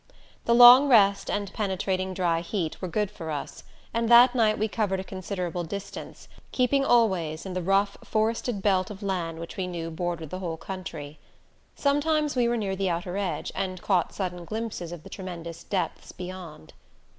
The long rest and penetrating dry heat were good for us, and that night we covered a considerable distance, keeping always in the rough forested belt of land which we knew bordered the whole country. Sometimes we were near the outer edge, and caught sudden glimpses of the tremendous depths beyond.